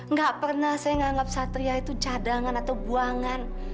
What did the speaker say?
nggak pernah saya menganggap satria itu cadangan atau buangan